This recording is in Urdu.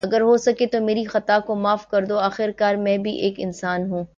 اگر ہوسکے تو میری خطا کو معاف کردو۔ آخر کار میں بھی ایک انسان ہوں۔